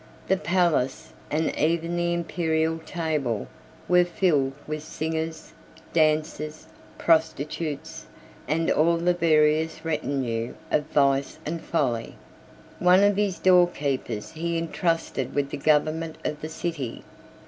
The palace, and even the Imperial table, were filled with singers, dancers, prostitutes, and all the various retinue of vice and folly. One of his doorkeepers 81 he intrusted with the government of the city.